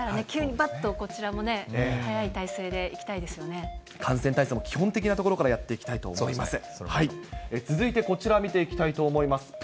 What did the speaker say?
急にばっとこちらもね、感染対策も基本的なところからやっていきたいと思います。